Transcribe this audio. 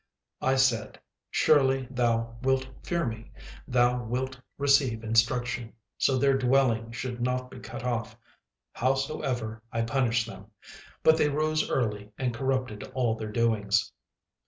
36:003:007 I said, Surely thou wilt fear me, thou wilt receive instruction; so their dwelling should not be cut off, howsoever I punished them: but they rose early, and corrupted all their doings.